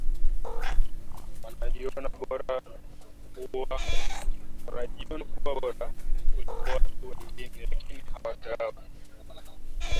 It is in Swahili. wanajiona kuwa bora kuliko watu wengine lakini hawadharau